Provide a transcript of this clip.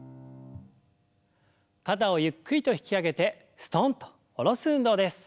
肩をゆっくりと引き上げてすとんと下ろす運動です。